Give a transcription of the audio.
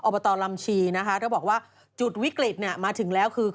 อบตลำชีนะคะเธอบอกว่าจุดวิกฤตเนี่ยมาถึงแล้วคือ